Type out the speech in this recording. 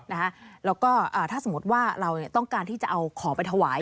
แล้วก็ถ้าสมมติว่าเราต้องการที่จะเอาของไปถวาย